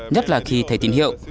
nhất là khi thấy tín hiệu